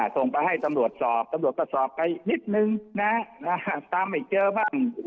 ส่งไปให้ตำรวจสอบตำรวจก็สอบไปนิดนึงนะตามไม่เจอบ้าง